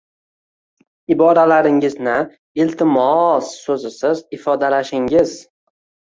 Iboralaringizni “iltimooos” so‘zisiz ifodalashin-giz